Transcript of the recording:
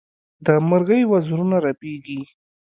د مرغۍ وزرونه رپېږي.